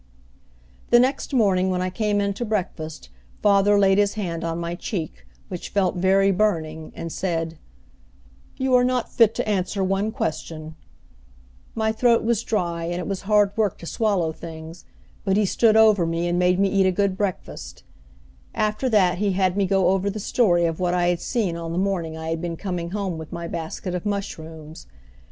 The next morning when I came in to breakfast father laid his hand on my cheek, which felt very burning, and said, "You are not fit to answer one question." My throat was dry, and it was hard work to swallow things, but he stood over me and made me eat a good breakfast. After that he had me go over the story of what I had seen on the morning I had been coming home with my basket of mushrooms.